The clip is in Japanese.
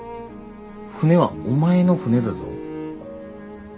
船はお前の船だぞ。